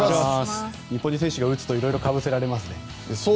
日本人選手が打つといろいろ、かぶせられますね。